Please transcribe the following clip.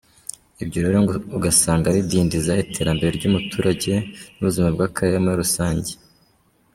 Ibyo rero ngo ugasanga bidindiza iterambere ry’umuturage n’ubuzima bw’akarere muri rusange.